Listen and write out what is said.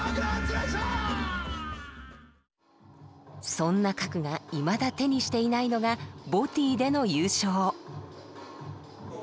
そんなＫａｋｕがいまだ手にしていないのがＢＯＴＹでの優勝。